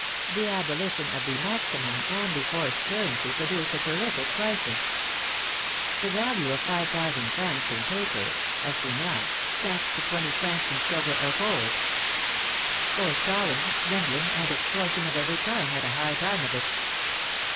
The abolition of the maximum and the forced currency produced a terrific crisis. The value of 5,000 francs in paper (assignats) sank to 20 francs in silver or gold. Forestalling, swindling and extortion of every kind had a high time of it.